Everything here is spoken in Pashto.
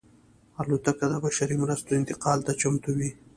الوتکه د بشري مرستو انتقال ته چمتو وي.